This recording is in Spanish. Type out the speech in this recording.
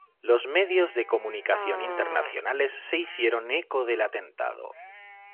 Los medios de comunicación internacionales se hicieron eco del atentado.